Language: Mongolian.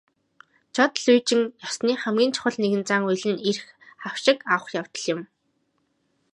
Жод лүйжин ёсны хамгийн чухал нэгэн зан үйл нь эрх авшиг авах явдал юм.